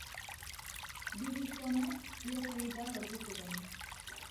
Bi gizonek ihes egitea lortu zuten.